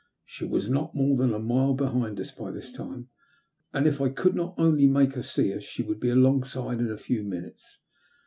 She was not more than a mile behind us by this time, and, if I could only make her see us, she would be alongside in a few minutes.